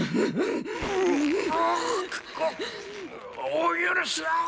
お許しを！